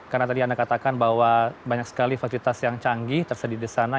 karena tadi anda katakan bahwa banyak sekali fasilitas yang canggih tersedia di sana